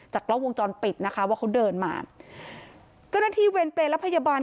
กล้องวงจรปิดนะคะว่าเขาเดินมาเจ้าหน้าที่เวรเปรย์และพยาบาล